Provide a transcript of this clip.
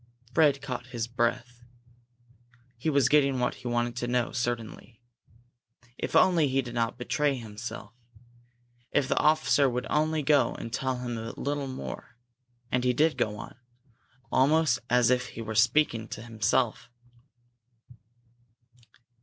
Fred caught his breath. He was getting what he wanted now, certainly! If only he did not betray himself! If the officer would only go on and tell him a little more! And he did go on, almost as if he were speaking to himself.